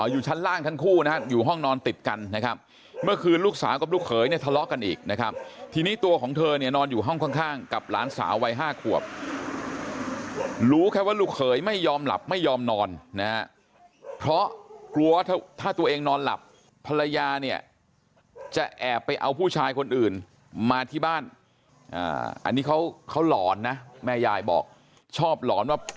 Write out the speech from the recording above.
อยู่ชั้นล่างทั้งคู่นะฮะอยู่ห้องนอนติดกันนะครับเมื่อคืนลูกสาวกับลูกเขยเนี่ยทะเลาะกันอีกนะครับทีนี้ตัวของเธอเนี่ยนอนอยู่ห้องข้างกับหลานสาววัย๕ขวบรู้แค่ว่าลูกเขยไม่ยอมหลับไม่ยอมนอนนะฮะเพราะกลัวว่าถ้าตัวเองนอนหลับภรรยาเนี่ยจะแอบไปเอาผู้ชายคนอื่นมาที่บ้านอันนี้เขาหลอนนะแม่ยายบอกชอบหลอนว่า